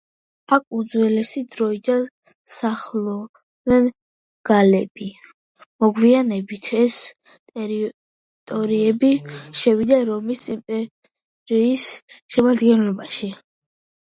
აქ უძველესი დროიდან სახლობდნენ გალები მოგვიანებით ეს ტერიტორიები შევიდა რომის იმპერიის შემადგენლობაში.